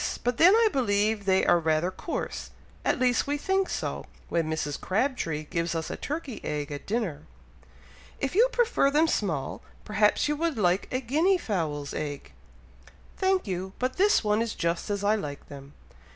but then I believe they are rather coarse, at least we think so, when Mrs. Crabtree gives us a turkey egg at dinner." "If you prefer them small, perhaps you would like a guinea fowl's egg?" "Thank you! but this one is just as I like them."